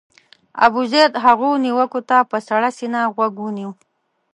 ابوزید هغو نیوکو ته په سړه سینه غوږ ونیو.